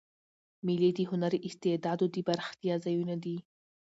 مېلې د هنري استعدادو د پراختیا ځایونه دي.